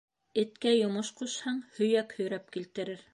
Эткә йомош ҡушһаң, һөйәк һөйрәп килтерер.